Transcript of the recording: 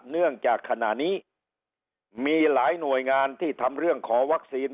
เนื่องจากขณะนี้มีหลายหน่วยงานที่ทำเรื่องขอวัคซีน